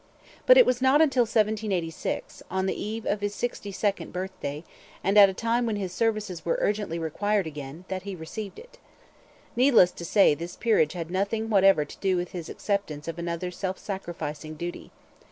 But it was not till 1786, on the eve of his sixty second birthday, and at a time when his services were urgently required again, that he received it. Needless to say this peerage had nothing whatever to do with his acceptance of another self sacrificing duty.